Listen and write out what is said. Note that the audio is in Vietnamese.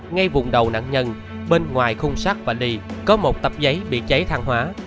ngay vùng đầu nạn nhân bên ngoài khung sắt vali có một tập giấy bị cháy thang hóa